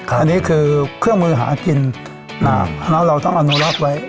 อันนี้คือเครื่องมือหากินน่ะเราต้องอนุรับไว้